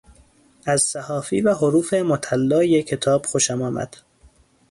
از صحافی و حروف مطلای کتاب خوشم آمد.